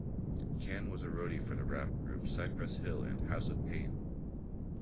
Caan was a roadie for the rap groups Cypress Hill and House of Pain.